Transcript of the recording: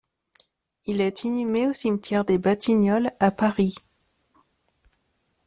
Il est inhumé au Cimetière des Batignolles à Paris.